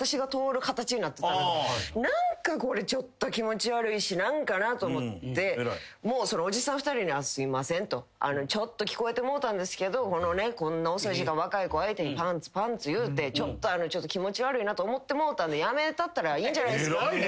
何かこれちょっと気持ち悪いし何かなと思ってそのおじさん２人にすいませんと聞こえてもうたんですけどこんな遅い時間若い子相手にパンツパンツ言うて気持ち悪いと思ってもうたんでやめたったらいいんじゃないっすかって。